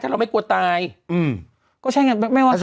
ถ้าเราไม่กลัวตายอืมก็ใช่งั้นไม่ว่าในสภาพร่างกาย